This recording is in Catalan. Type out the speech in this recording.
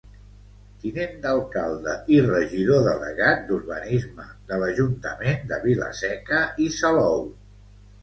Tinent d’Alcalde i Regidor delegat d’Urbanisme de l’Ajuntament de Vila-seca i Salou.